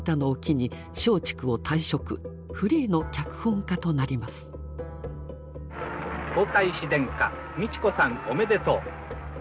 「皇太子殿下美智子さんおめでとう」。